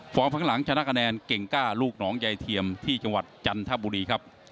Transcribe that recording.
ข้างหลังชนะคะแนนเก่งก้าลูกหนองยายเทียมที่จังหวัดจันทบุรีครับ